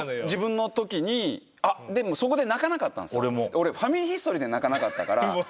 俺『ファミリーヒストリー』で泣かなかったからそうそう。